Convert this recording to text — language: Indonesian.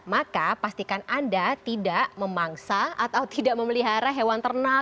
maka pastikan anda tidak memangsa atau tidak memelihara hewan ternal